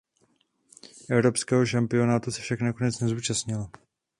Evropského šampionátu se však nakonec nezúčastnila.